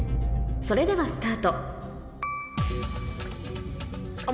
それではスタートあっ。